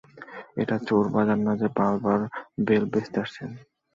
এটা চোর বাজার না যে, বাল্ব আর বেল বেচতে আসছেন।